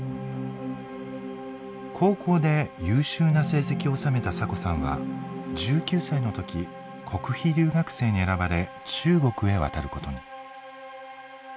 高校で優秀な成績を収めたサコさんは１９歳の時国費留学生に選ばれ中国へ渡ることに。